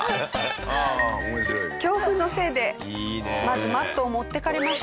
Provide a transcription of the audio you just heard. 強風のせいでまずマットを持っていかれます。